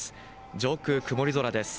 上空、曇り空です。